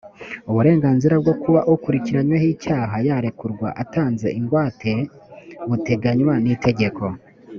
uburenganzira bwo kuba ukurikiranyweho icyaha yarekurwa atanze ingwate buteganywa n itegeko